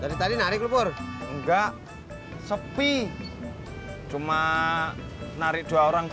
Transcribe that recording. betul kita sudah berumur